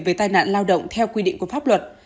về tai nạn lao động theo quy định của pháp luật